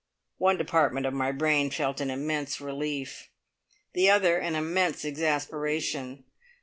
One department of my brain felt an immense relief, the other an immense exasperation.